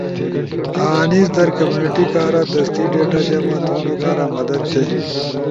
انیس در کمیونٹی کارا دستی ڈیٹا جمع تھونو کارا مدد تھی،